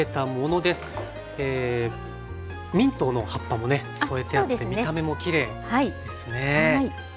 ミントの葉っぱもね添えてあって見た目もきれいですね。